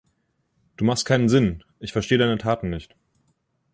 Du machst keinen Sinn! Ich verstehe deine Taten nicht.